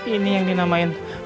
ini yang dinamain